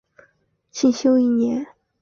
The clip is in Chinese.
期间曾于德国佛莱堡大学进修一年。